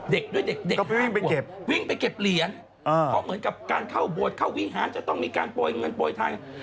เด็กด้วยเด็กวิ่งไปเก็บเหรียญเพราะเหมือนกับการเข้าบวชเข้าวิหารจะต้องมีการโปรยเงินโปรยทาน